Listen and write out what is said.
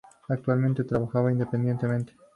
Actualmente trabaja independientemente.